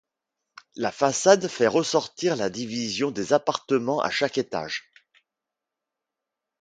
La façade fait ressortir la division des appartements à chaque étage.